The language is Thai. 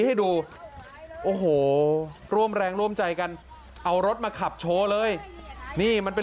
ให้ดูโอ้โหร่วมแรงร่วมใจกันเอารถมาขับโชว์เลยนี่มันเป็น